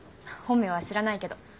本名は知らないけど。